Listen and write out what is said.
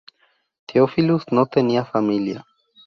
Theophilus no tenía familia.